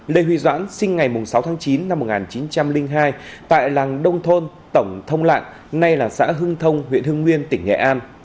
lê huy doãn sinh ngày sáu tháng chín năm một nghìn chín trăm linh hai tại làng nông thôn tổng thông lạn nay là xã hưng thông huyện hưng nguyên tỉnh nghệ an